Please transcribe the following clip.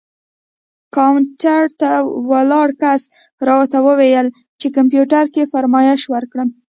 کاونټر ته ولاړ کس راته وویل چې کمپیوټر کې فرمایش ورکړم.